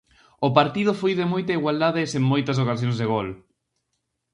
O partido foi de moita igualdade e sen moitas ocasións de gol.